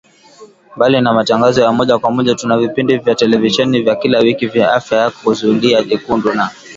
Mbali na matangazo ya moja kwa moja tuna vipindi vya televisheni vya kila wiki vya Afya Yako Zulia Jekundu na